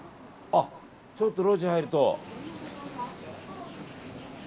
ちょっと路地に入ると。